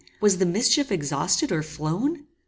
Was the mischief exhausted or flown?